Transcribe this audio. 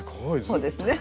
そうですね。